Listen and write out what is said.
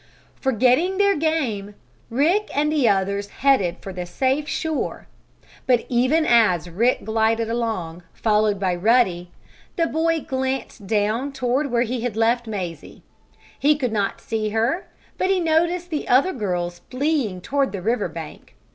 Forgetting their game, Rick and the others headed for the safe shore. But even as Rick glided along, followed by Ruddy, the boy glanced down toward where he had left Mazie. He could not see her, but he noticed the other girls fleeing toward the river bank.